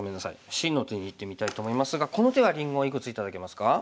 Ｃの手にいってみたいと思いますがこの手はりんごいくつ頂けますか？